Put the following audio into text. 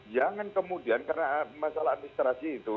jangan kemudian karena masalah administrasi itu